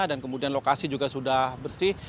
dan kemudian lokasi juga sudah bersih